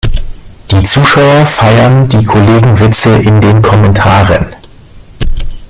Die Zuschauer feiern die Kollegenwitze in den Kommentaren.